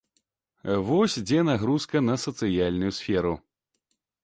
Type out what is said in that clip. Вось дзе нагрузка на сацыяльную сферу.